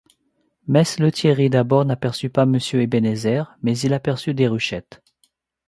Mess Lethierry d’abord n’aperçut pas Monsieur Ebenezer, mais il aperçut Déruchette.